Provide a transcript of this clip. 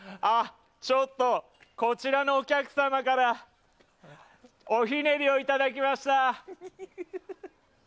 ちょっと、こちらのお客様からおひねりをいただきました。